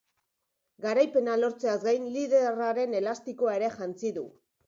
Garaipena lortzeaz gain, liderraren elastikoa ere jantzi du.